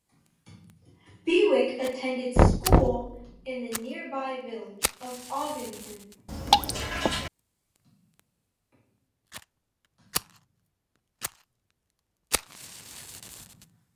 Bewick attended school in the nearby village of Ovingham.